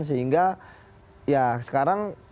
sehingga ya sekarang